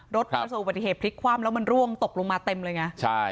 ประสบปฏิเหตุพลิกคว่ำแล้วมันร่วงตกลงมาเต็มเลยไงใช่